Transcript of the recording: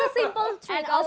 ya saya bertemu dengan wanita